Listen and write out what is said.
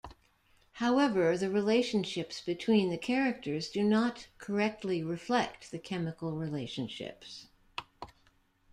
However, the relationships between the characters do not correctly reflect the chemical relationships.